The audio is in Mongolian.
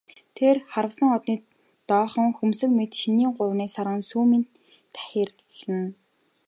Тэр харвасан одны доохон хөмсөг мэт шинийн гуравны саран сүүмийн тахирлана.